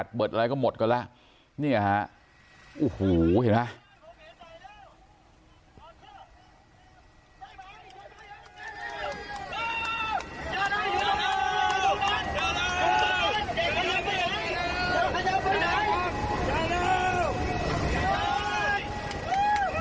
แต่เบิดอะไรก็หมดกันแล้วนี่แหละฮะโอ้โหเห็นไหม